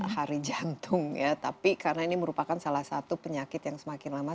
hari jantung ya tapi karena ini merupakan salah satu penyakit yang semakin lama